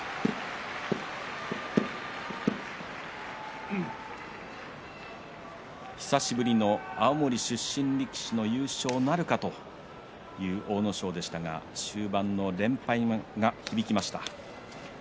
拍手久しぶりの青森出身力士の優勝なるかという阿武咲でしたが終盤の連敗が響きました。